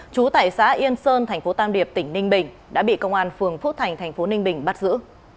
chú tại xã yên sơn tp tam điệp tỉnh ninh bình đã bị công an phường phúc thành tp ninh bình bắt giữ